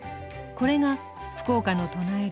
これが福岡の唱える